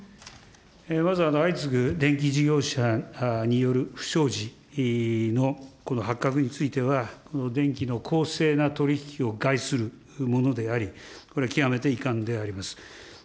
まずは相次ぐ電気事業者による不祥事のこの発覚については、電気の公正な取り引きを害するものであり、これ、極めて遺憾であります。